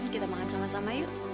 kita makan sama sama yuk